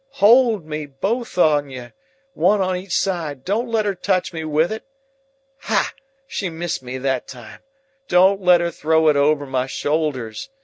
Hold me, both on you—one of each side—don't let her touch me with it. Hah! she missed me that time. Don't let her throw it over my shoulders.